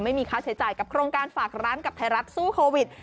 ไม่มีค่าใช้จ่ายกับโครงการฝากร้านกับไทยรัฐสู้โควิด